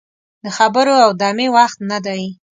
د خبرو او دمې وخت نه دی.